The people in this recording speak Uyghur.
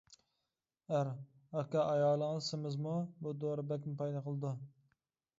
ئەر:-ئاكا ئايالىڭىز سېمىزمۇ، بۇ دورا بەكمۇ پايدا قىلىدۇ.